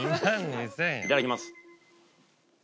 いただきます。